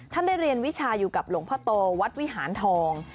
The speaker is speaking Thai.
ท่านได้เรียนวิชาอยู่กับหลวงพ่อโตวัดวิหารทอง